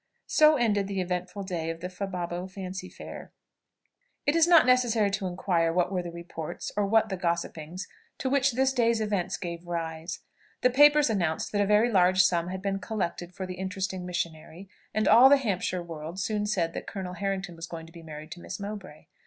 So ended the eventful day of the Fababo Fancy Fair. It is not necessary to inquire what were the reports, or what the gossipings to which this day's events gave rise. The papers announced that a very large sum had been collected for the interesting missionary; and all the Hampshire world soon said that Colonel Harrington was going to be married to Miss Mowbray.